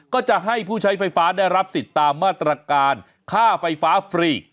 ก็จะให้ผู้ใช้ไฟฟ้าได้รับสิทธิ์ตามมาตรการค่าไฟฟ้าฟรี